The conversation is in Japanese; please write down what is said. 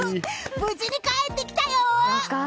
無事に帰ってきたよ！